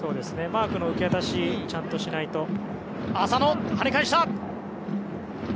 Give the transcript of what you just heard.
マークの受け渡しをちゃんとしないと。